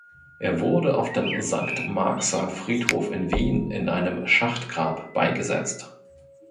Er wurde auf dem Sankt Marxer Friedhof in Wien in einem Schachtgrab beigesetzt.